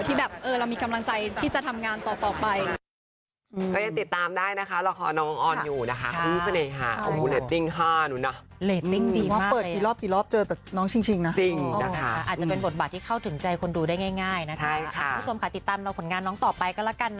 ที่เรามีกำลังใจจะทำงานต่อไป